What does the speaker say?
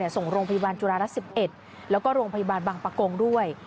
ส่งโรงพยาบาลจุฬารัฐ๑๑แล้วก็โรงพยาบาลบางประกงด้วย